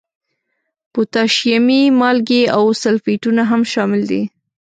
پوتاشیمي مالګې او سلفیټونه هم شامل دي.